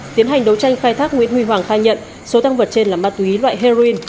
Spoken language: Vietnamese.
tiến hành đấu tranh khai thác nguyễn huy hoàng khai nhận số tăng vật trên là ma túy loại heroin